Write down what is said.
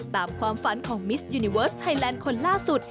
ตามความฝันของมิสยูนิเวิร์สไทยแลนด์คนล่าสุด